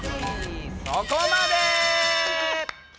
そこまで！